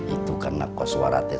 itu karena kos warah teh